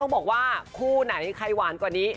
บอกว่าคู่ไหนใครหวานกว่านี้